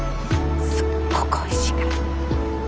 すっごくおいしいから。